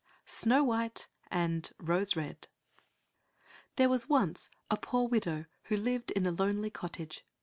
161 Snow White and Rose Red There was once a poor widow who lived in a lonely cottage.